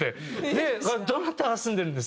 でどなたが住んでるんですか？